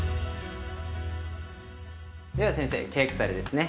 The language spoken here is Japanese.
では先生ケークサレですね。